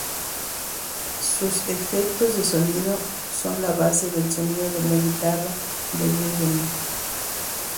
Sus efectos de sonido son la base del sonido de la guitarra de Bellamy.